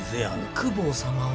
公方様は。